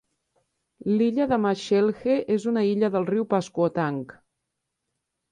L'illa de Machelhe és una illa del riu Pasquotank.